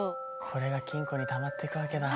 これが金庫にたまっていくわけだ。